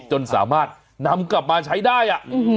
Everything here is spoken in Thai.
จนสามารถนำกลับมาใช้ได้